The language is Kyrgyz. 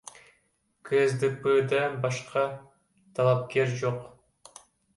КСДПда башка талапкер жок.